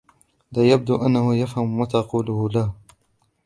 لا يبدو أنه يفهم ما تقوله له.